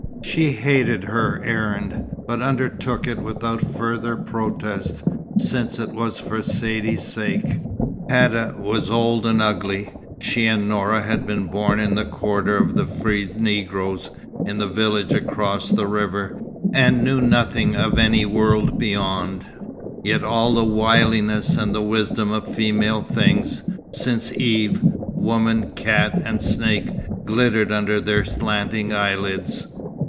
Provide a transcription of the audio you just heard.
She hated her errand, but undertook it without further protest, since it was for Saidee's sake. Hadda was old and ugly. She and Noura had been born in the quarter of the freed Negroes, in the village across the river, and knew nothing of any world beyond; yet all the wiliness and wisdom of female things, since Eve woman, cat and snake glittered under their slanting eyelids.